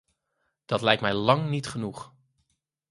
Dat lijkt mij lang niet genoeg.